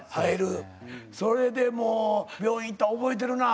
それでもう病院行ったん覚えてるな。